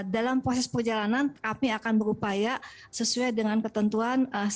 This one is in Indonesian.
dalam proses perjalanan kami akan berupaya sesuai dengan ketentuan